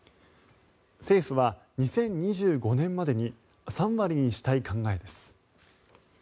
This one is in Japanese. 政府は２０２５年までに３割にしたい考えです。